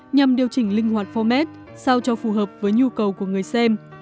chương trình linh hoạt format sao cho phù hợp với nhu cầu của người xem